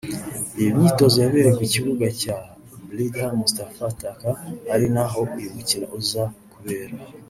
Iyi myitozo yabereye ku kibuga cya Blida Mustapha Thacker ari naho uyu mukino uza kubera